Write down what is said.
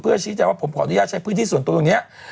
ชี้แจงว่าผมขออนุญาตใช้พื้นที่ส่วนตัวตรงนี้